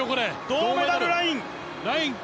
銅メダルライン！